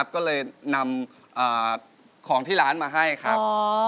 ก็เลยนำของที่ร้านมาให้ครับ